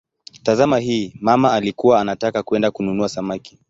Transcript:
Tazama hii: "mama alikuwa anataka kwenda kununua samaki".